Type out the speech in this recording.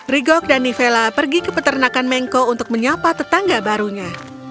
rigok dan nivela pergi ke peternakan mengko untuk menyapa tetangga barunya